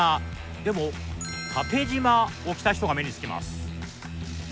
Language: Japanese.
でも、縦じまを着た人が目につきます。